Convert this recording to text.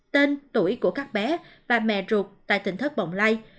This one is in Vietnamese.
tên tuổi của các bé và mẹ ruột tại tỉnh thất bọng lây